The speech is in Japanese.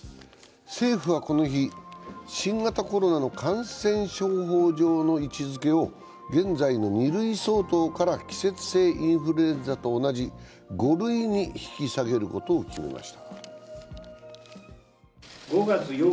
政府はこの日、新型コロナの感染症法上の位置づけを現在の２類相当から季節性インフルエンザと同じ、５類に引き下げることを決めました